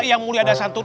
yang mulia dasantun